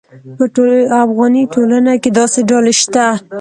په افغاني ټولنه کې داسې ډلې شته.